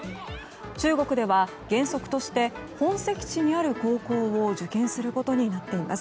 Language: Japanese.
中国では原則として本籍地にある高校を受験することになっています。